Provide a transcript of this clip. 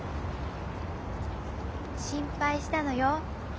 心配したのよ。